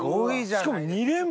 しかも。